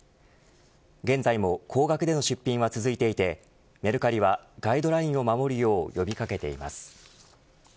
現在も高額での出品は続いていてメルカリはガイドラインを守るよう呼び掛けています。